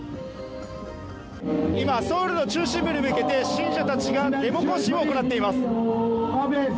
今、ソウルの中心部に向けて信者たちがデモ行進を行っています。